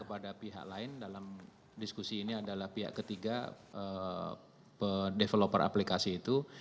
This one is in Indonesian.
kepada pihak lain dalam diskusi ini adalah pihak ketiga developer aplikasi itu